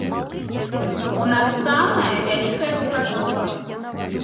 У нас самая вялікая выпрацоўка.